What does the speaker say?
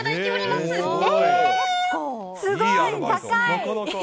すごい、高い！